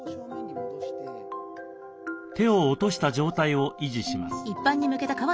手を落とした状態を維持します。